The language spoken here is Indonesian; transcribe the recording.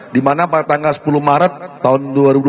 dimana pada tanggal sepuluh maret tahun dua ribu empat